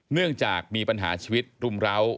เนื่องจากมีปัญหาชีวิตรุมร้าว